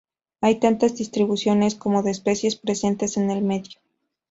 Hay tantas distribuciones como de especies presentes en el medio.